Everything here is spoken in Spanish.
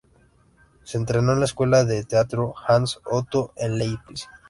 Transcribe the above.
Se entrenó en la escuela de teatro "Hans Otto" en Leipzig.